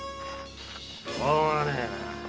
しょうがねえ。